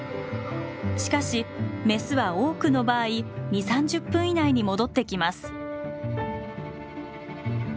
しかしメスは多くの場合２０３０分以内に戻ってきます。